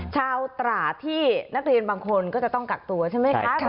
ตราดที่นักเรียนบางคนก็จะต้องกักตัวใช่ไหมคะ